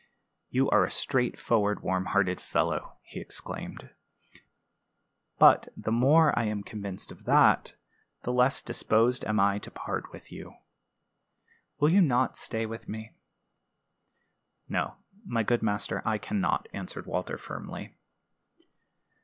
"You are a straightforward, warm hearted fellow," he exclaimed. "But the more I am convinced of that, the less disposed am I to part with you. Will you not stay with me?" "No, my good master, I can not," answered Walter, firmly.